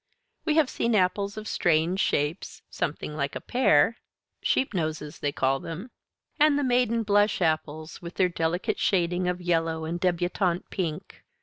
We have seen apples of strange shapes, something like a pear (sheepnoses, they call them), and the Maiden Blush apples with their delicate shading of yellow and debutante pink.